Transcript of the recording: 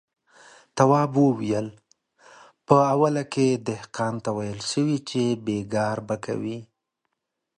تواب وويل: په اوله کې دهقان ته ويل شوي چې بېګار به کوي.